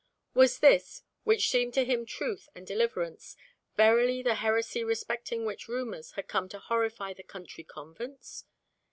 Was this, which seemed to him truth and deliverance, verily the heresy respecting which rumours had come to horrify the country convents?